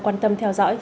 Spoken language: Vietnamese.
quan tâm theo dõi